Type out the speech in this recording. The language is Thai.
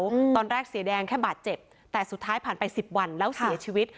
อืมตอนแรกเสียแดงแค่บาดเจ็บแต่สุดท้ายผ่านไปสิบวันแล้วเสียชีวิต